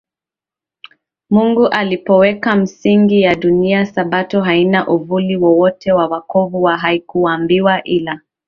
Mungu alipoweka misingi ya dunia Sabato haina uvuli wowote wa wokovu na haikuumbwa ili